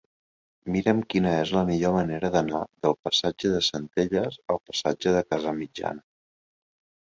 Mira'm quina és la millor manera d'anar del passatge de Centelles al passatge de Casamitjana.